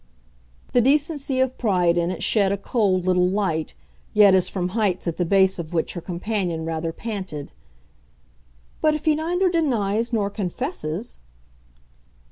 The decency of pride in it shed a cold little light yet as from heights at the base of which her companion rather panted. "But if he neither denies nor confesses